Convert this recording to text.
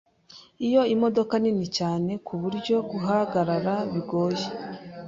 Iyo modoka nini cyane kuburyo guhagarara bigoye.